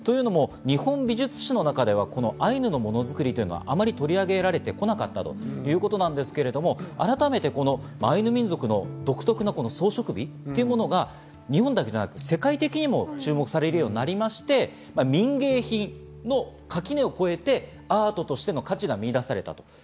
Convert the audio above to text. というのも、日本美術史の中でアイヌのものづくりはあまり取り上げられてこなかったということなんですけれども、改めてアイヌ民族の独特なこの装飾美というものが日本だけではなく世界的に注目されるようになりまして、民芸品の垣根を越えてアートとしての価値を見いだされてきた。